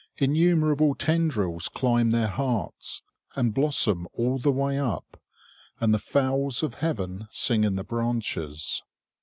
Innumerable tendrils climb their hearts, and blossom all the way up; and the fowls of heaven sing in the branches.